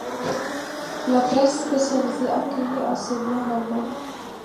La presse spécialisée accueilli assez bien l'album.